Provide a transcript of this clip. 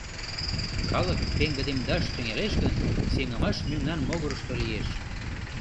Калык пеҥгыдемдаш тӱҥалеш гын, сеҥымаш мемнан могырышто лиеш.